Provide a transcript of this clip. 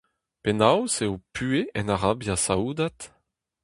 Penaos eo ho puhez en Arabia Saoudat ?